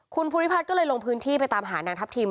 คุณภูริพัฒน์ก็เลยลงพื้นที่ไปตามหานางทัพทิม